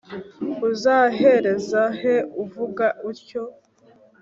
Uzahereza he kuvuga utyo?